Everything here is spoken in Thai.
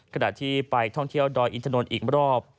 ขณะที่ไปท่องเที่ยวดอยอินทนนท์อีกรอบ